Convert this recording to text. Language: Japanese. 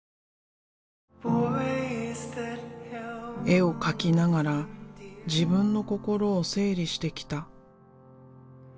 絵を描きながら自分の心を整理してきた。